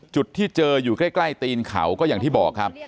จุดที่เจออยู่ใกล้ตีนเขาก็อย่างที่บอกครับ